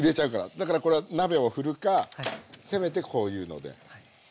だからこれは鍋を振るかせめてこういうので。